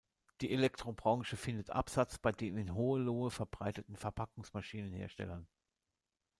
Die Elektrobranche findet Absatz bei den in Hohenlohe verbreiteten Verpackungsmaschinen-Herstellern.